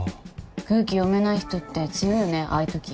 空気読めない人って強いよねああいうとき。